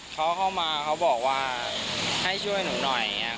เขาเข้ามาเขาบอกว่าให้ช่วยหนูหน่อย